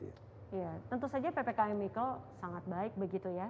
iya tentu saja ppkm mikro sangat baik begitu ya